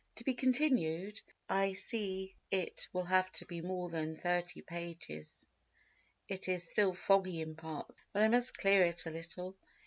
To be continued—I see it will have to be more than 30 pp. It is still foggy in parts, but I must clear it a little.